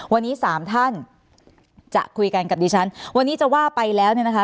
วันนี้สามท่านจะคุยกันกับดิฉันวันนี้จะว่าไปแล้วเนี่ยนะคะ